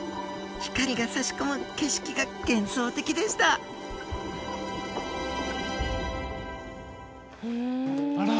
光がさし込む景色が幻想的でしたあら！